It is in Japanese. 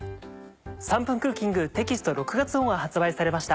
３分クッキングテキスト６月号が発売されました。